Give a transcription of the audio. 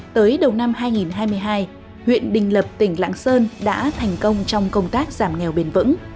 tới đầu năm hai nghìn hai mươi hai huyện đình lập tỉnh lạng sơn đã thành công trong công tác giảm nghèo bền vững